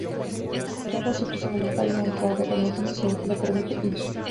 Clara se ofrece voluntaria, y aunque a regañadientes, el Doctor le permite ir.